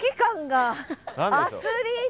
アスリート。